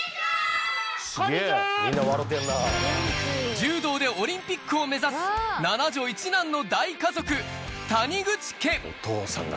柔道でオリンピックを目指す、７女１男の大家族、谷口家。